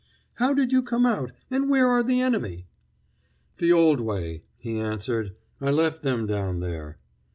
"How did you come out, and where are the enemy?" "The old way," he answered. "I left them down there."